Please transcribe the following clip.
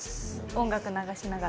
音楽流しながら？